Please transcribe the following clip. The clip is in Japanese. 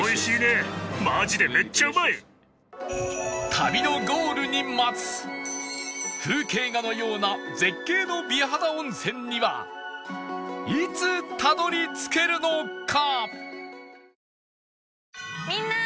旅のゴールに待つ風景画のような絶景の美肌温泉にはいつたどり着けるのか？